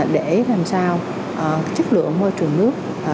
để làm sao chất lượng môi trường nước